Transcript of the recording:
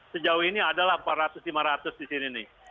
sejauh ini adalah empat ratus lima ratus di sini nih